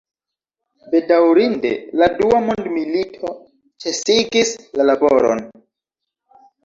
Bedaŭrinde la dua mondmilito ĉesigis la laboron.